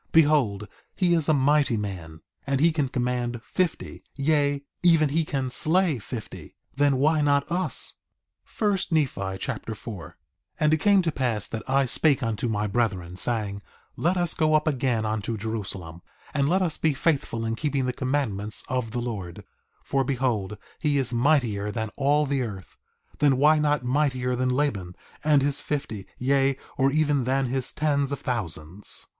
Behold, he is a mighty man, and he can command fifty, yea, even he can slay fifty; then why not us? 1 Nephi Chapter 4 4:1 And it came to pass that I spake unto my brethren, saying: Let us go up again unto Jerusalem, and let us be faithful in keeping the commandments of the Lord; for behold he is mightier than all the earth, then why not mightier than Laban and his fifty, yea, or even than his tens of thousands?